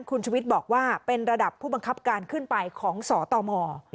คุณชุวิตบอกว่าเป็นระดับผู้บังคับการขึ้นไปของสตม